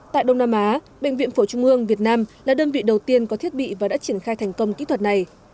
tại đông nam á bệnh viện phổ trung ương việt nam là đơn vị đầu tiên có thiết bị và đã triển khai thành công kỹ thuật này